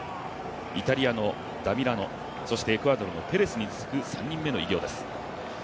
イタリアのダミラノ、そしてエクアドルのペレスに次ぐ３人目の偉業です。